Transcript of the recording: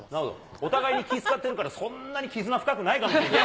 お互いに気遣ってるから、そんなに絆深くないかもしれない。